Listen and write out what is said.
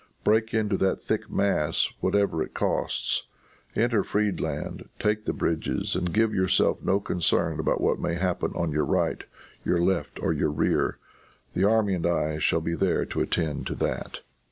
Break into that thick mass whatever it costs. Enter Friedland; take the bridges and give yourself no concern about what may happen on your right, your left or your rear. The army and I shall be there to attend to that."